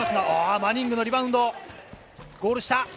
マニングのリバウンド、ゴール下。